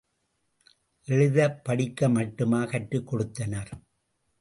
எழுதப்படிக்க மட்டுமா கற்றுக் கொடுத்தனர்?